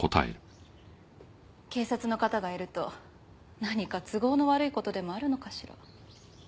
警察の方がいると何か都合の悪い事でもあるのかしら？